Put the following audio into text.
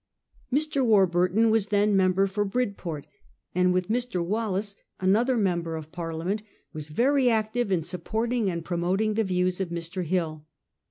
Mr. Warburton was then member for Bridport, and with Mr. Wallace, another member of Parliament, was very active in supporting and promoting the views of Mr. Hill.